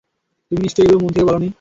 তুমি নিশ্চয়ই এগুলো মন থেকে বলোনি!